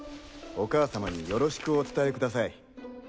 お母様によろしくお伝えください。